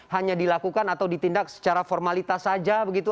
hanya dilakukan atau ditindak secara formalitas saja begitu